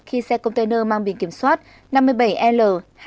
khi xe container mang biển kiểm soát năm mươi bảy l hai nghìn ba trăm hai mươi bốn